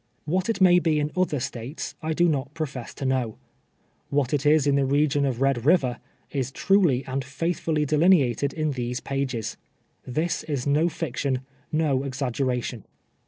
"What it may be in other States, I do not profess to know ; what it is in the region of Hed Eiver, is truly and faithfully delineated in these pages. This is no fiction, no exaggeration.